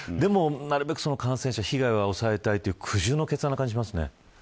なるべく感染者の被害は抑えたいという苦渋の決断な感じがしますね。